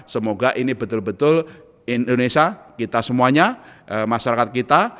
semoga ini betul betul indonesia kita semuanya masyarakat kita